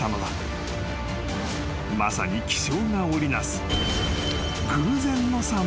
［まさに気象が織り成す］